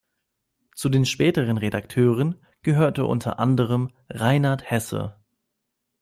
Zu den späteren Redakteuren gehörte unter anderem Reinhard Hesse.